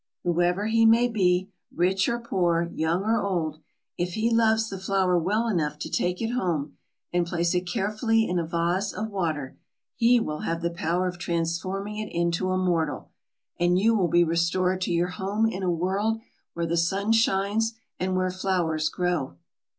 Whoever he may be, rich or poor, young or old, if he loves the flower well enough to take it home, and place it carefully in a vase of water, he will have the power of transforming it into a mortal, and you will be restored to your home in a world where the sun shines and where flowers grow."